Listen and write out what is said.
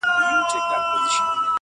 که موچي غریب سي مړ قصاب ژوندی وي،